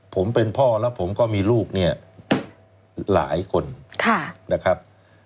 ผมเป็นพ่อแล้วผมก็มีลูกเนี่ยหลายคนนะครับ